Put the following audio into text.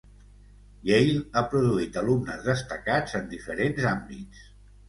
Yale ha produït alumnes destacats en diferents àmbits.